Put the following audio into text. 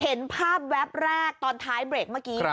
เห็นภาพแวบแรกตอนท้ายเบรกเมื่อกี้